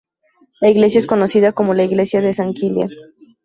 La iglesia es conocida como la iglesia de San Kilian.